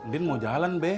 din mau jalan be